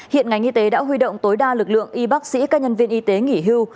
hiện ngành y tế đã huy động tối đa lực lượng y bác sĩ các nhân viên y tế nghỉ hưu